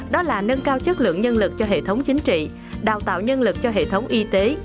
đó là nâng cao chất lượng nhân lực cho hệ thống chính trị đào tạo nhân lực cho hệ thống y tế